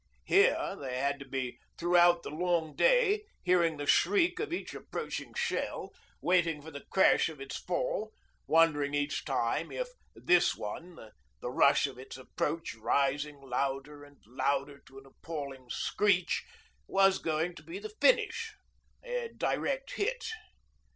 Here they had to be throughout the long day, hearing the shriek of each approaching shell, waiting for the crash of its fall, wondering each time if this one, the rush of its approach rising louder and louder to an appalling screech, was going to be the finish a 'direct hit.'